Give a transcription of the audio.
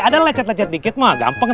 ada lecet lecet dikit mah gampang